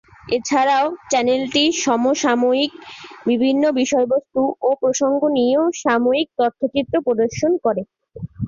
এছাড়াও চ্যানেলটি সমসাময়িক বিভিন্ন বিষয়বস্তু ও প্রসঙ্গ নিয়েও সাময়িক তথ্যচিত্র প্রদর্শন করে।